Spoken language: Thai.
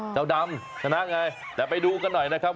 เจ้าดำชนะไงแต่ไปดูกันหน่อยนะครับ